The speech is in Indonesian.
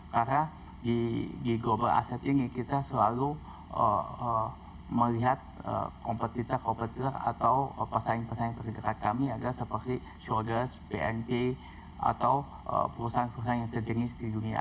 karena di global asset ini kita selalu melihat kompetitor kompetitor atau persaing persaing terdekat kami adalah seperti shoulders bnp atau perusahaan perusahaan yang tertinggi di dunia